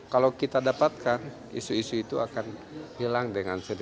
kalau kita dapatkan isu isu itu akan hilang dengan sendiri